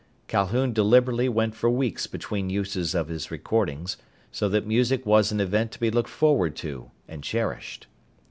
Calhoun deliberately went for weeks between uses of his recordings, so that music was an event to be looked forward to and cherished.